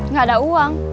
nggak ada uang